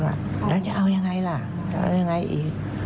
เราจะเอายังไงล่ะแล้วอะไรอีก